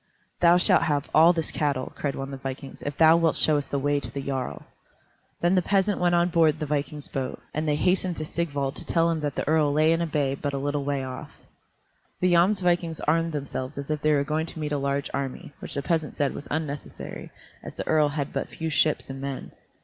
"Thou shalt have all this cattle," cried one of the vikings, "if thou wilt show us the way to the jarl." Then the peasant went on board the vikings' boat, and they hastened to Sigvald to tell him that the earl lay in a bay but a little way off. The Jomsvikings armed themselves as if they were going to meet a large army, which the peasant said was unnecessary, as the earl had but few ships and men.